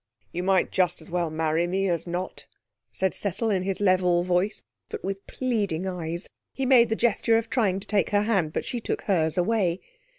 'You might just as well marry me as not,' said Cecil, in his level voice, but with pleading eyes. He made the gesture of trying to take her hand, but she took hers away.